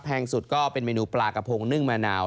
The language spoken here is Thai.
สุดก็เป็นเมนูปลากระพงนึ่งมะนาว